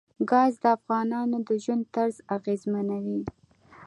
ګاز د افغانانو د ژوند طرز اغېزمنوي.